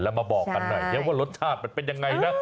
จะมาบอกกันหน่อยจะบอกว่ารสชาติมันเป็นยังไงนะ